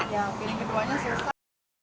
ya jadi kebunnya selesai